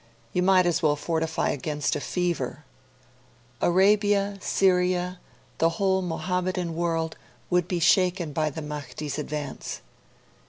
'You might as well fortify against a fever.' Arabia, Syria, the whole Mohammedan world, would be shaken by the Mahdi's advance.